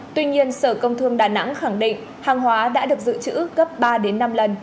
tuy nhiên sở công thương đà nẵng khẳng định hàng hóa đã được giữ chữ gấp ba năm lần